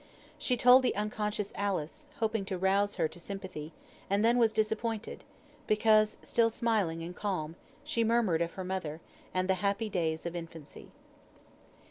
She told the unconscious Alice, hoping to rouse her to sympathy; and then was disappointed, because, still smiling and calm, she murmured of her mother, and the happy days of infancy.